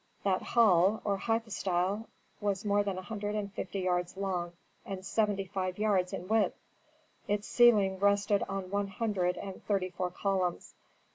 That hall, or hypostyle, was more than a hundred and fifty yards long and seventy five yards in width, its ceiling rested on one hundred and thirty four columns.